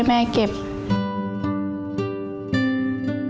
ผมเคยวาดรูปพี่ตูนด้วย